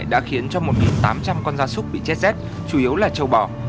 đã khiến cho một tám trăm linh con gia súc bị chết rét chủ yếu là châu bò